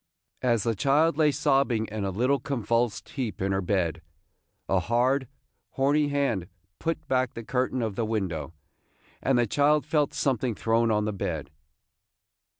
As the child lay sobbing in a little convulsed heap in her bed, a hard, horny hand put back the curtain of the window, and the child felt something thrown on the bed.